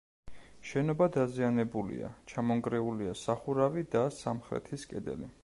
შენობა დაზიანებულია: ჩამონგრეულია სახურავი და სამხრეთის კედელი.